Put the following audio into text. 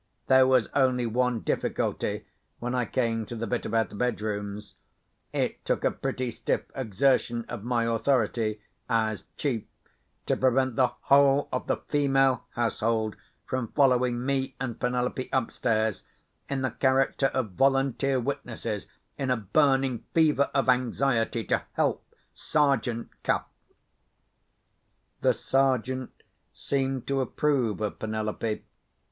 There was only one difficulty when I came to the bit about the bedrooms. It took a pretty stiff exertion of my authority, as chief, to prevent the whole of the female household from following me and Penelope upstairs, in the character of volunteer witnesses in a burning fever of anxiety to help Sergeant Cuff. The Sergeant seemed to approve of Penelope.